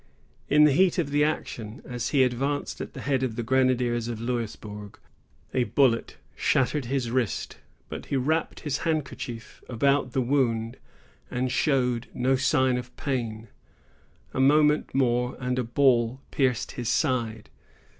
In the heat of the action, as he advanced at the head of the grenadiers of Louisburg, a bullet shattered his wrist; but he wrapped his handkerchief about the wound, and showed no sign of pain. A moment more, and a ball pierced his side.